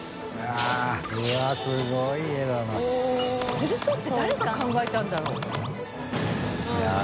つるそうって誰が考えたんだろう？